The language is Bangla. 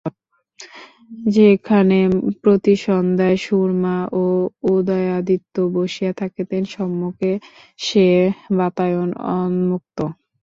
যেখানে প্রতি সন্ধ্যায় সুরমা ও উদয়াদিত্য বসিয়া থাকিতেন, সম্মুখে সে বাতায়ন উন্মুক্ত।